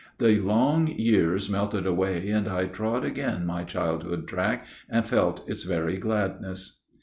The long years melted away, and I Trod again my childhood's track, And felt its very gladness.